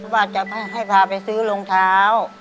ว่าจะให้พาไปซื้อรองเท้า